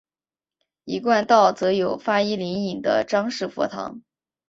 一贯道则有发一灵隐的张氏佛堂。